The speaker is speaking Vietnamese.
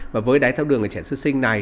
và với đáy thao đường trẻ sơ sinh này